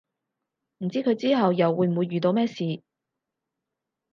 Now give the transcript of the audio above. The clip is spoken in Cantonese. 唔知佢之後又會唔會遇到咩事